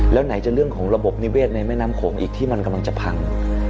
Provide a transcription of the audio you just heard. แล้วไหนจะเรื่องของระบบนิเวศในแม่น้ำโขงอีกที่มันกำลังจะพัง